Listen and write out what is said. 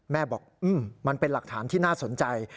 แม่บอกมันเป็นหลักฐานที่น่าสนใจ